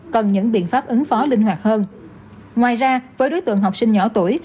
cần những biện pháp ứng phó linh hoạt hơn ngoài ra với đối tượng học sinh nhỏ tuổi